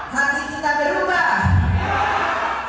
hati kita berubah